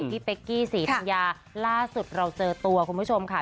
เป๊กกี้ศรีธัญญาล่าสุดเราเจอตัวคุณผู้ชมค่ะ